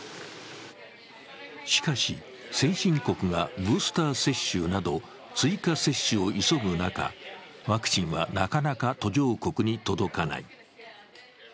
しかし、先進国がブースター接種など追加接種を急ぐ中、ワクチンはなかなか途上国に届かない。